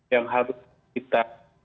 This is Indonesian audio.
yang harus kita